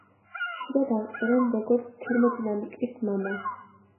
ხშირად აღწერენ როგორც „თერმოდინამიკის მამა“.